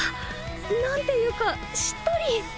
何ていうかしっとり！